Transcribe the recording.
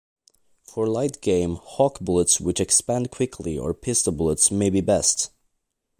For light game, Hawk bullets which expand quickly or pistol bullets may be best.